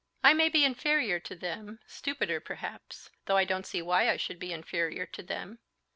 I may be inferior to them, stupider perhaps, though I don't see why I should be inferior to them.